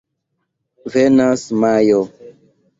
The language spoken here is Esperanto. Venas Majo.